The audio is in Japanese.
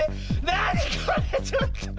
なにこれ⁉ちょっと。